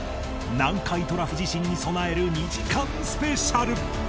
南海トラフ地震に備える２時間スペシャル